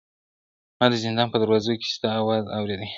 ما د زندان په دروازو کي ستا آواز اورېدی!